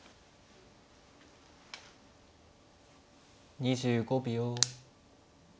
２５秒。